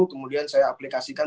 kemudian saya aplikasikan